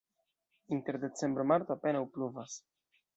Inter decembro-marto apenaŭ pluvas.